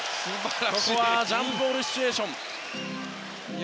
ここはジャンプボールシチュエーション。